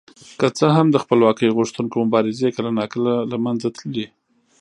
که څه هم د خپلواکۍ غوښتونکو مبارزې کله ناکله له منځه تللې.